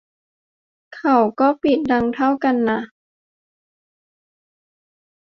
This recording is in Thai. เขาก็เปิดดังเท่ากันน่ะ